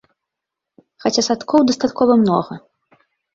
Хаця садкоў дастаткова многа.